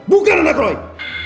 bukan anak loin